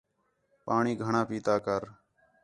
پاݨی گھݨاں پیتا کر